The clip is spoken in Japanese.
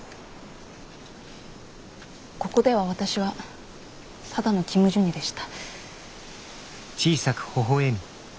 ここでは私はただのキム・ジュニでした。